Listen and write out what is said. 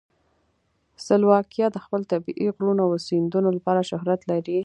سلواکیا د خپل طبیعي غرونو او سیندونو لپاره شهرت لري.